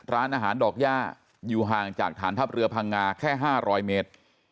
ร้านอาหารดอกย่าอยู่ห่างจากฐานทัพเรือพังงาแค่๕๐๐เมตร